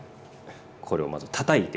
これをまずたたいて。